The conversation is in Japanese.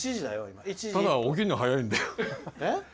ただ、起きるのは早いんだよ。